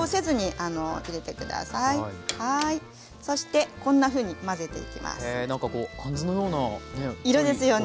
そしてこんなふうに混ぜていきます。